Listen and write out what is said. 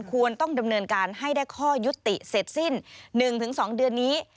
ควรต้องดำเนินการให้ได้ข้อยุติเสร็จสิ้น๑๒เดือนนี้